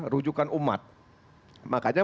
rujukan umat makanya